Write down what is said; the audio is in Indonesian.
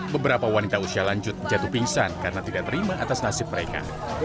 beberapa wanita usia lanjut jatuh pingsan karena tidak terima atas nasib mereka